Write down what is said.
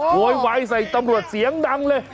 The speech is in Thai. โวยวายใส่ตำรวจเสียงดังเลย